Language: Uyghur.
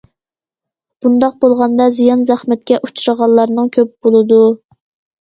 بۇنداق بولغاندا، زىيان- زەخمەتكە ئۇچرىغانلارنىڭ كۆپ بولىدۇ.